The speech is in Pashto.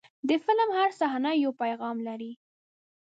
د فلم هره صحنه یو پیغام لري.